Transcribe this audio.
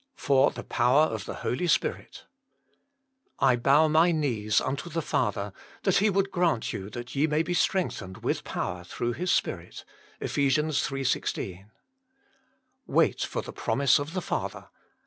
Jor lift ^lotofr of Ihe "Solp Spirit " I bow my knees unto the Father, that He would grant yon that ye may be strengthened with power through His Spirit." EPU. iii. 16. "Wait for the promise of the Father."